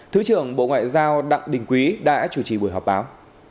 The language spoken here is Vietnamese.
thứ trưởng bộ ngoại giao đặng đình quý đã chủ trì buổi họp báo